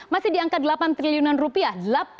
masih di angka delapan triliunan rupiah